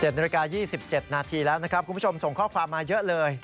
นาฬิกา๒๗นาทีแล้วนะครับคุณผู้ชมส่งข้อความมาเยอะเลย